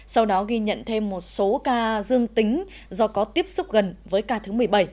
sau đó ghi nhận thêm một số ca dương tính do có tiếp xúc gần với ca thứ một mươi bảy